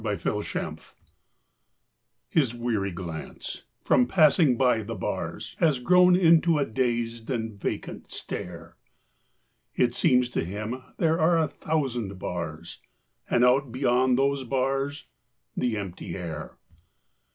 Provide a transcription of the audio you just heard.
THE PANTHER His weary glance, from passing by the bars, Has grown into a dazed and vacant stare; It seems to him there are a thousand bars And out beyond those bars the empty air.